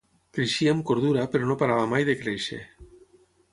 Creixia amb cordura, però no parava mai de créixer.